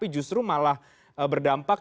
justru malah berdampak